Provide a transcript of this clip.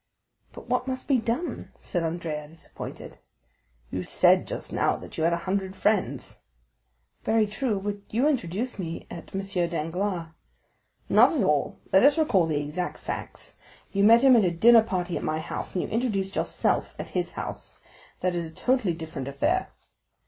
"But what must be done?" said Andrea, disappointed. "You said just now that you had a hundred friends." "Very true, but you introduced me at M. Danglars'." "Not at all! Let us recall the exact facts. You met him at a dinner party at my house, and you introduced yourself at his house; that is a totally different affair."